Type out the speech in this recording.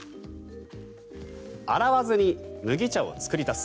洗わずに麦茶を作り足す。